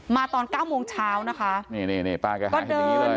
มาตอนเก้าโมงเช้านะคะนี่นี่นี่ป้าก็หาเห็ดอย่างงี้เลย